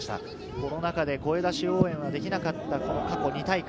コロナ禍で声出し応援ができなかった過去２大会。